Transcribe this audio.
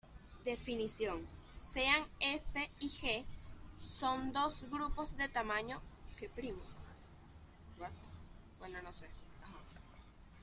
Definición: Sean F y G dos grupos de tamaño q primo.